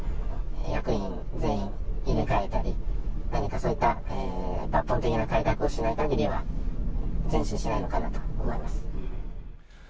役員全員入れ替えたり、何かそういった抜本的な改革をしないかぎりは、前進しないのかなと思います。